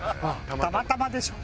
たまたまでしょ。